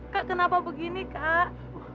kak kenapa begini kak